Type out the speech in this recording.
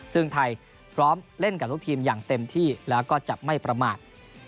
ซึ่งไทยพร้อมเล่นกับลูกทีมอย่างเต็มที่แล้วก็จะไม่ประมาท